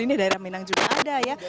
ini daerah minang juga ada ya